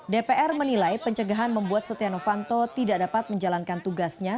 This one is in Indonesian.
dpr menilai pencegahan membuat setia novanto tidak dapat menjalankan tugasnya